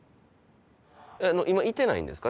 あの今いてないんですか？